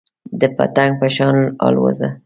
د پتنګ په شان الوځه .